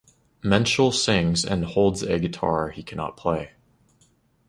Menschell sings and holds a guitar he cannot play.